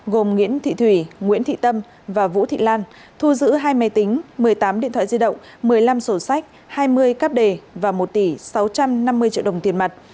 gồm nguyễn thị thủy nguyễn thị tâm và vũ thị lan thu giữ hai máy tính một mươi tám điện thoại di động một mươi năm sổ sách hai mươi cáp đề và một tỷ sáu trăm năm mươi triệu đồng tiền mặt